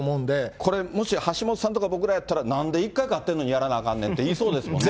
これ、もし、橋下さんや僕らやったら、なんで一回勝ってるのにやらなあかんねんとか言いそうですもんね。